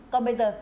còn bây giờ